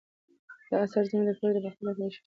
دا اثر زموږ د فکر د پراختیا لپاره یو ښه چانس دی.